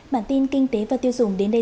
bản tin kinh tế và tiêu dùng đến đây